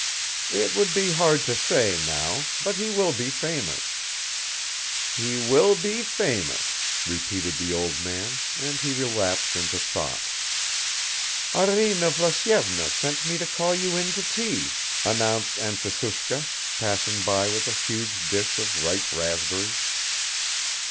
"It would be hard to say now, but he will be famous." "He will be famous," repeated the old man, and he relapsed into thought. "Arina Vlasyevna sent me to call you in to tea," announced Anfisushka, passing by with a huge dish of ripe raspberries.